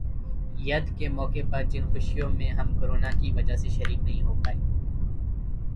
ید کے موقع پر جن خوشیوں میں ہم کرونا کی وجہ سے شریک نہیں ہو پائے